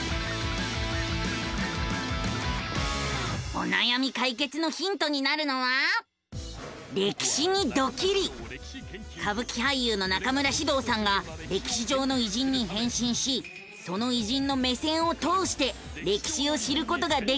おなやみ解決のヒントになるのは歌舞伎俳優の中村獅童さんが歴史上の偉人に変身しその偉人の目線を通して歴史を知ることができる番組なのさ！